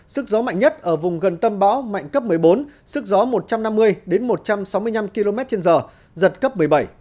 sức gió mạnh nhất ở vùng gần tâm bão mạnh cấp một mươi bốn sức gió một trăm năm mươi đến một trăm sáu mươi năm km trên giờ giật cấp một mươi bảy